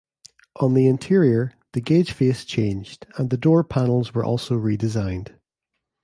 On the interior, the gauge face changed, and the door panels were also redesigned.